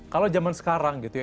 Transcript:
kalau zaman sekarang gitu ya